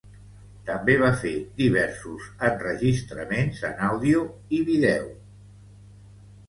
També va fer diversos enregistraments en àudio i vídeo.